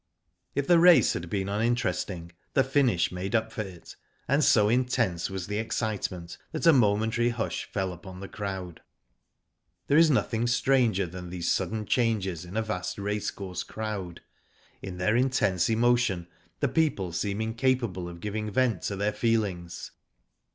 If the race had been uninteresting the finish made up for it, and so intense was the excite ment that a momentary hush fell upon the crowd. There is nothing stranger than these sudden changes in a vast racecourse crowd. In their intense emotion, the people seem in capable of giving vent to their feelings.